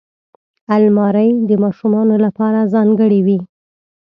الماري د ماشومانو لپاره ځانګړې وي